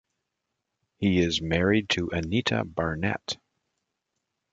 He is married to Anita Barnett.